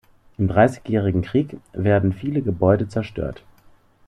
Im Dreißigjährigen Krieg werden viele Gebäude zerstört.